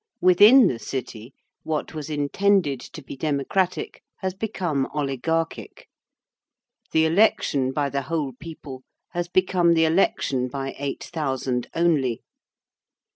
Within the City what was intended to be democratic has become oligarchic. The election by the whole people has become the election by 8,000 only.